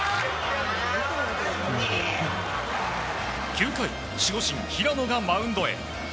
９回、守護神の平野がマウンドへ。